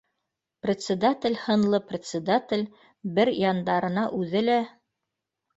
Председатель һынлы председатель бер яндарына үҙе лә